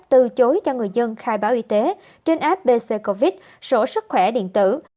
từ chối cho người dân khai báo y tế trên app bc covid sổ sức khỏe điện tử